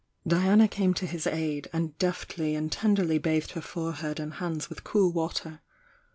Diana came to his aid, and deftly and tenderly bathed her forehead and hands with cool water.